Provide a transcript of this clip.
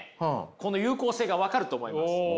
この有効性が分かると思います。